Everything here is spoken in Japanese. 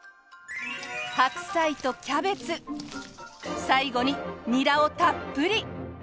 白菜とキャベツ最後にニラをたっぷり。